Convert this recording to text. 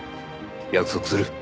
約束する。